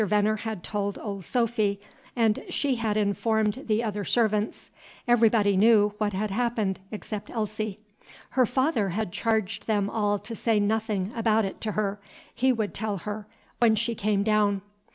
Venner had told Old Sophy, and she had informed the other servants. Everybody knew what had happened, excepting Elsie. Her father had charged them all to say nothing about it to her; he would tell her, when she came down.